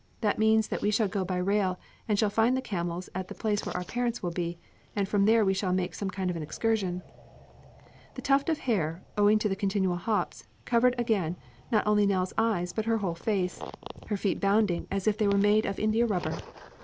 That means that we shall go by rail and shall find the camels at the place where our parents will be, and from there we shall make some kind of an excursion." The tuft of hair, owing to the continual hops, covered again not only Nell's eyes but her whole face, her feet bounding as if they were made of India rubber.